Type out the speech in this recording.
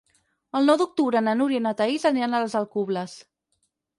El nou d'octubre na Núria i na Thaís aniran a les Alcubles.